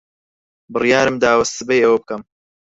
بڕیارم داوە سبەی ئەوە بکەم.